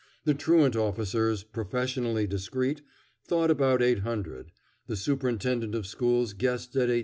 The truant officers, professionally discreet, thought about 800. The Superintendent of Schools guessed at 8000.